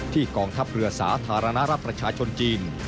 กองทัพเรือสาธารณรัฐประชาชนจีน